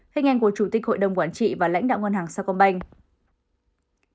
hình ảnh của chủ tịch hội đồng quản trị và lãnh đạo ngân hàng sa công banh